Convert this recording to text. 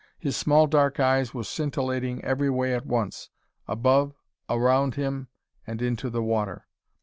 His small dark eyes were scintillating every way at once: above, around him, and into the water.